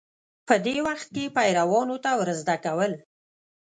په دې وخت کې پیروانو ته ورزده کول